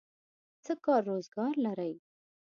څه کار روزګار لرئ؟